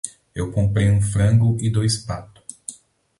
Eu comprei um frango e dois pato.